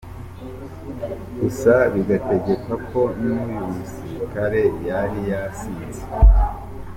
Gusa bigakekwa ko n’uyu musirikare yari yasinze.